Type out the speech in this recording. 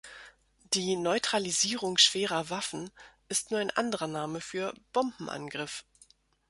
Die "Neutralisierung schwerer Waffen" ist nur ein anderer Name für "Bombenangriff".